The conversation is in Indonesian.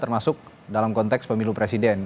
termasuk dalam konteks pemilu presiden